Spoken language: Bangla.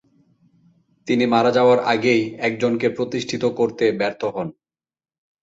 তিনি মারা যাওয়ার আগেই একজনকে প্রতিষ্ঠিত করতে ব্যর্থ হন।